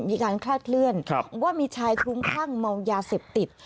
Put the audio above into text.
คลาดเคลื่อนว่ามีชายคลุ้มคลั่งเมายาเสพติด